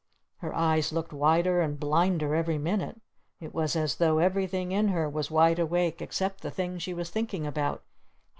Her eyes looked wider and blinder every minute. It was as though everything in her was wide awake except the thing she was thinking about.